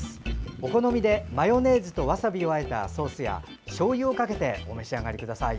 お好みでマヨネーズとわさびをあえたソースやしょうゆをかけてお召し上がりください。